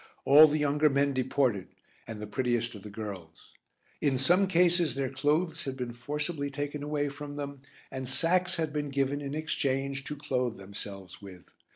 All the younger men deported, and the prettiest of the girls. In some cases their clothes had been forcibly taken away from them and sacks had been given in exchange to clothe themselves with.